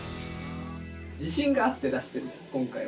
自信があって出してるよね